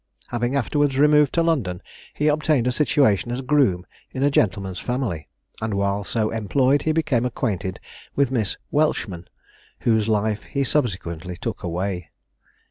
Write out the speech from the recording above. Having afterwards removed to London, he obtained a situation as groom in a gentleman's family; and while so employed he became acquainted with Miss Welchman, whose life he subsequently took away.